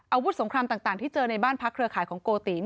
อาวุธสงครามต่างที่เจอในบ้านพักเครือข่ายของโกติ